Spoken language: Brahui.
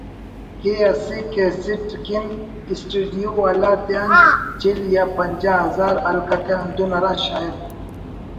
کہ اسہ کیسٹ کن اسٹوڈیو والا تیان چل یا پنجا ہزار ہلککہ ہندن ہرا شاعر